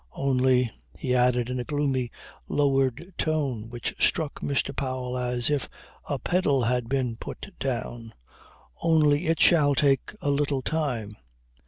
Only," he added in a gloomy lowered tone which struck Mr. Powell as if a pedal had been put down, "only it shall take a little time.